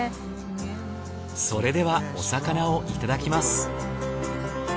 それではお魚をいただきます。